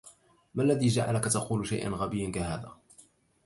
مالذي جعلك تقول شيئا غبيا كهذا؟